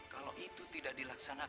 kau yang salah